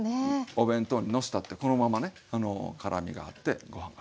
お弁当にのせたってこのままね辛みがあってご飯が進みます。